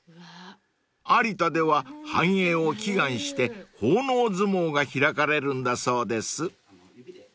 ［有田では繁栄を祈願して奉納相撲が開かれるんだそうです］